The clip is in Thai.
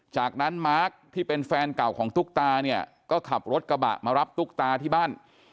จากนั้นมาร์คที่เป็นแฟนเก่าของตุ๊กตาเนี่ยก็ขับรถกระบะมารับตุ๊กตาที่บ้าน